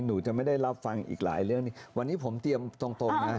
หนูจะไม่ได้รับฟังอีกหลายเรื่องนี่วันนี้ผมเตรียมตรงตรงนะ